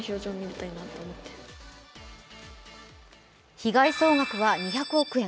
被害総額は２００億円。